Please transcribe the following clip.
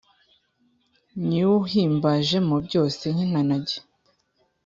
Nyiwuhimbajemo byose nk intanage